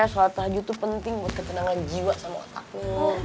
sholat tahajud tuh penting buat ketenangan jiwa sama otaknya